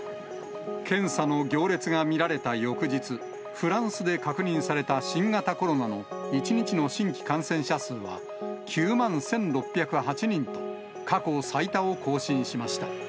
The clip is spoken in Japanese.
検査の行列が見られた翌日、フランスで確認された新型コロナの１日の新規感染者数は、９万１６０８人と、過去最多を更新しました。